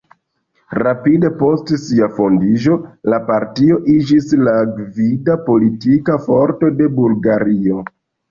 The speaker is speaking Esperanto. Rapide post sia fondiĝo la partio iĝis la gvida politika forto de Bulgario.